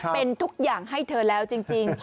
เป็นทุกอย่างให้เธอแล้วจริง